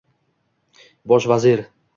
Bosh vazir